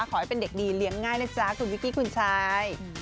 ขอให้เป็นเด็กดีเลี้ยงง่ายนะจ๊ะคุณวิกกี้คุณชาย